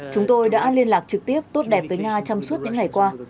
chúng tôi đã liên lạc trực tiếp tốt đẹp với nga trong suốt những ngày qua